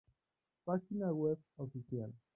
Página web oficial